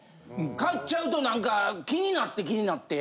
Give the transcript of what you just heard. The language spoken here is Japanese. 買っちゃうとなんか気になって気になって。